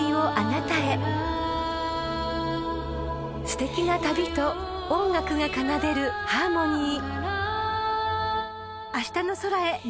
［すてきな旅と音楽が奏でるハーモニー］